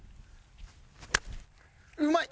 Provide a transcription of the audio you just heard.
うまい！